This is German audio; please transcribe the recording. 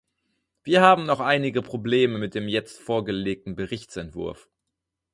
Wir haben noch einige Probleme mit dem jetzt vorgelegten Berichtsentwurf.